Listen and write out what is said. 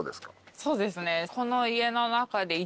そうですね。